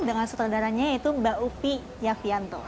dengan sutradaranya yaitu mbak upi yavianto